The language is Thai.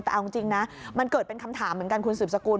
แต่เอาจริงนะมันเกิดเป็นคำถามเหมือนกันคุณสืบสกุล